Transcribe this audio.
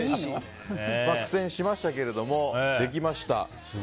苦戦しましたけど、できました。